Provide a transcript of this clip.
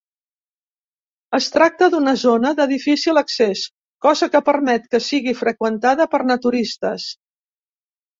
Es tracta d'una zona de difícil accés, cosa que permet que sigui freqüentada per naturistes.